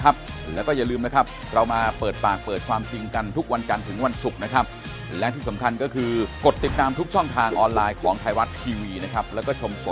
อันนี้เสียดายแย่